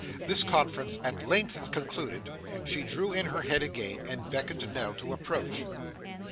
This conference at length concluded, she drew in her head again, and beckoned Nell to approach.